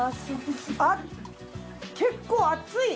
あっ結構熱い。